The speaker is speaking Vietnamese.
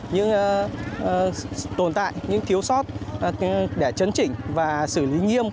những tồn tại những thiếu sót để chấn chỉnh và xử lý nghiêm